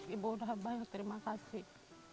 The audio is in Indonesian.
ibu udah baik terima kasih